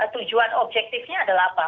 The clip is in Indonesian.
tujuan objektifnya adalah apa